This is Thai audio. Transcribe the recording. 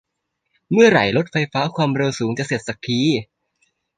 เมื่อไหร่รถไฟฟ้าความเร็วสูงจะเสร็จสักที